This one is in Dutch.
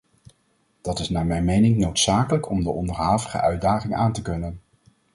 Dat is naar mijn mening noodzakelijk om de onderhavige uitdaging aan te kunnen.